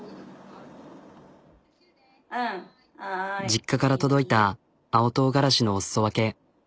実家から届いた青とうがらしのお裾分け。